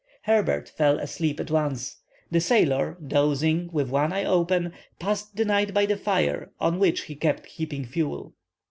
Herbert fell asleep at once. The sailor, dozing, with one eye open, passed the night by the fire, on which he kept heaping fuel.